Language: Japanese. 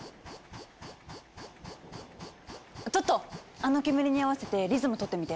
あの煙に合わせてリズムとってみて。